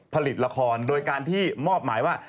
ผลิตละครโดยการที่มอบหมายว่า